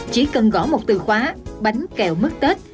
chỉ cần gõ một từ khóa bánh kẹo mứt tết